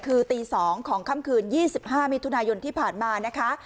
คือตี๒ของค่ำคืน๒๕มิถุนายนที่ผ่านมานะคะ